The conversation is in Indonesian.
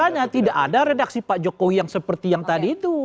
misalnya tidak ada redaksi pak jokowi yang seperti yang tadi itu